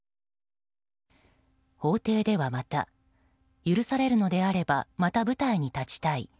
法廷ではまた許されるのであればまた舞台に立ちたい。